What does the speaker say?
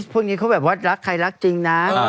พวกนี้เขาแบบว่ารักใครรักจริงนะ